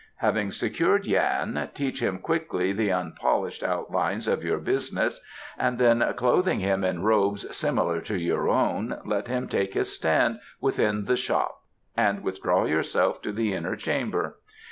Having secured Yan, teach him quickly the unpolished outlines of your business and then clothing him in robes similar to your own let him take his stand within the shop and withdraw yourself to the inner chamber.